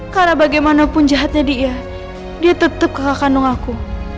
karena bagaimanapun jahatnya dia dia tetap kakak kandung aku